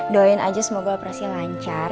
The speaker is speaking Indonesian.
doain aja semoga operasi lancar